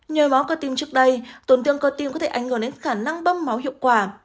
nhờ báo cơ tim trước đây tổn thương cơ tim có thể ảnh hưởng đến khả năng bong máu hiệu quả